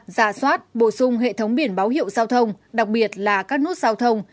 giả soát bổ sung hệ thống biển báo hiệu giao thông đặc biệt là các nút giao thông